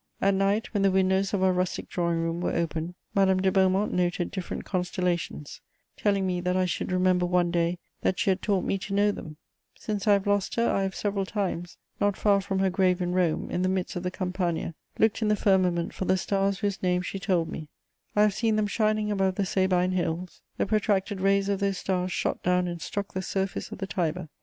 At night, when the windows of our rustic drawing room were opened, Madame de Beaumont noted different constellations, telling me that I should remember one day that she had taught me to know them: since I have lost her, I have several times, not far from her grave in Rome, in the midst of the Campagna, looked in the firmament for the stars whose names she told me: I have seen them shining above the Sabine Hills; the protracted rays of those stars shot down and struck the surface of the Tiber.